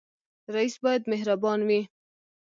رئیس باید مهربان وي